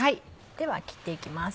では切っていきます。